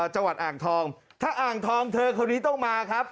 จังหวัดอ่างทองถ้าอ่างทองเธอคนนี้ต้องมาครับ